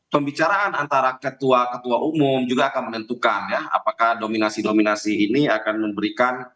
pembicaraan antara ketua ketua umum juga akan menentukan ya apakah dominasi dominasi ini akan memberikan